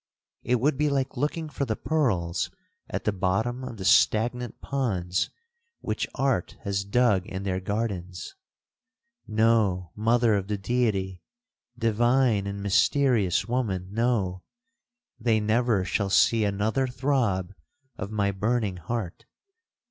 It would be like looking for the pearls at the bottom of the stagnant ponds which art has dug in their gardens. No, mother of the Deity! divine and mysterious woman, no!—they never shall see another throb of my burning heart.